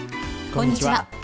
こんにちは。